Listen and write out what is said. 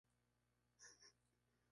La iglesia está dedicada a san Pelagio.